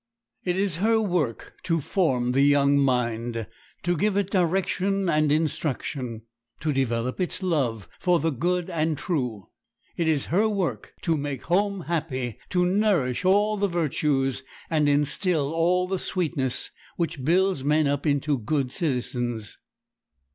It is her work to form the young mind, to give it direction and instruction, to develop its love for the good and true. It is her work to make home happy, to nourish all the virtues, and instill all the sweetness which builds men up into good citizens.